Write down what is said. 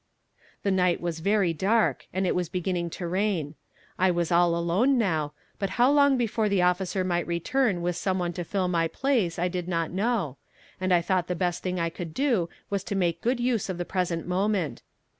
The night was very dark, and it was beginning to rain. I was all alone now, but how long before the officer might return with some one to fill my place I did not know, and I thought the best thing I could do was to make good use of the present moment.